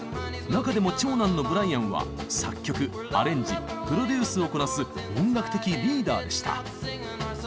中でも長男のブライアンは作曲アレンジプロデュースをこなす音楽的リーダーでした。